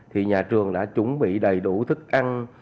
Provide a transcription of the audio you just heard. thì nhà trường đã chuẩn bị đầy đủ thức ăn